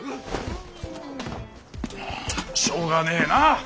しょうがねえな。